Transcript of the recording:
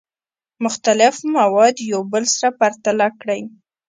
مختلف مواد یو بل سره پرتله کړئ.